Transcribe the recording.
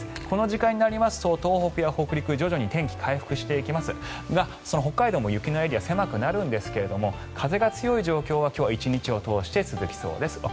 この時間になりますと東北や北陸徐々に天気が回復していきますが北海道も雪のエリアは狭くなるんですが風が強い状況は今日１日を通して続きそうです。